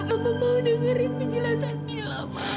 mama mau dengerin penjelasan mila ma